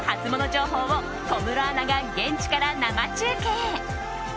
情報を小室アナが現地から生中継。